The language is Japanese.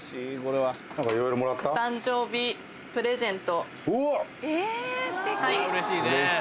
はい誕生日プレゼント。